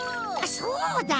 そうだ！